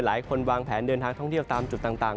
หลายคนวางแผนเดินทางท่องเที่ยวตามจุดต่าง